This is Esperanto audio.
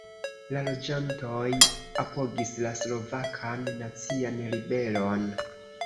La loĝantoj apogis la Slovakan Nacian Ribelon.